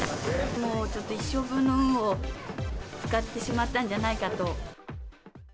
もう一生分の運を使ってしまったんじゃないかと。